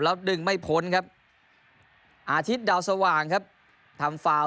แล้วดึงไม่พ้นครับอาทิตย์ดาวสว่างครับทำฟาว